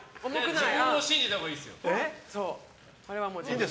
自分を信じたほうがいいですよ。